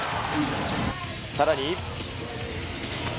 さらに。